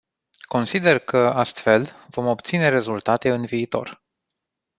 Consider că, astfel, vom obține rezultate în viitor.